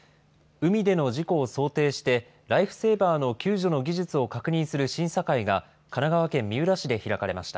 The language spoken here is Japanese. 海での事故を想定して、ライフセーバーの救助の技術を確認する審査会が神奈川県三浦市で開かれました。